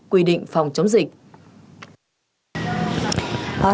quy định phòng chống dịch